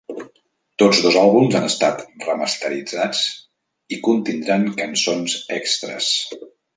Tots dos àlbums han estat remasteritzats i contindran cançons extres.